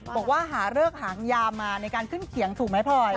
บอกว่าหาเลิกหางยามาในการขึ้นเขียงถูกไหมพลอย